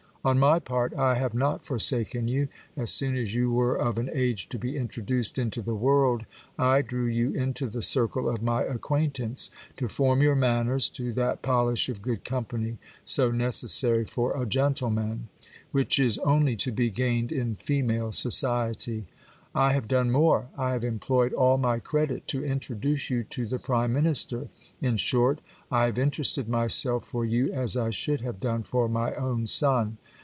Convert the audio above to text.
On my part, I have not forsaken you ; as soon as you were of an age to be introduced into the world, I drew you into the circle of my acquaintance, to form your manners to that polish of good company, so necessary for a gentleman, which is only to be gained in female society. I have done more : I have employed all my credit to introduce you to the prime minister. In short, I have interested myself for you as I should have done for my own son.